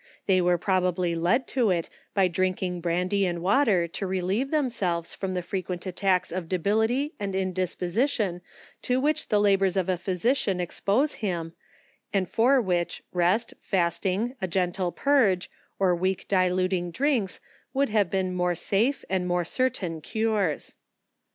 They were probably led to it by drinking brandy and water to relieve themselves from the frequent attacks of debility and indisposition to which the labours of a physician expose him, and for which rest, fasting, a gentle purge, or weak diluting drinks would have been more safe and more certain cures.